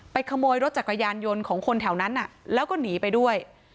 ขโมยรถจักรยานยนต์ของคนแถวนั้นแล้วก็หนีไปด้วย